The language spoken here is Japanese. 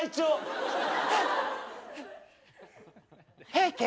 平家？